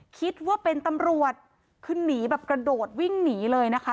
คิดว่าเป็นตำรวจคือหนีแบบกระโดดวิ่งหนีเลยนะคะ